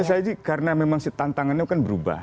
bisa saja karena memang tantangannya akan berubah